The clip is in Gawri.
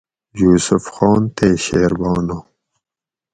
یوسف خان تے شیربانو